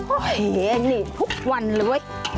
โอ๊ยนี่ทุกวันเลย